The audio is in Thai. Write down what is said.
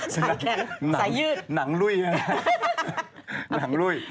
ใส่ยืดนังลุ้ยนะนังลุ้ย